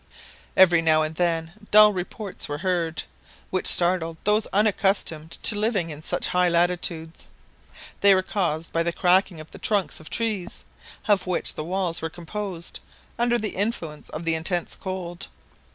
Every now and then dull reports were heard, which startled those unaccustomed to living in such high latitudes. They were caused by the cracking of the trunks of trees, of which the walls were composed under the influence of the intense cold.